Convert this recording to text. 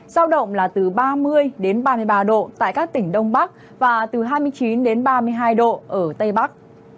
giao động là từ ba mươi đến ba mươi ba độ tại các tỉnh đông bắc và từ hai mươi chín đến ba mươi hai độ ở tây bắc